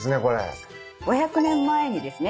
５００年前にですね